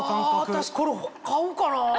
私これ買おうかな。